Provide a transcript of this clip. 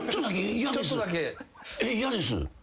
嫌です。